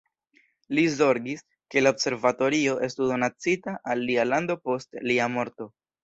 Li zorgis, ke la observatorio estu donacita al lia lando post lia morto.